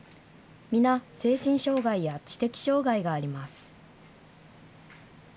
皆、精神障害や知的障害があります。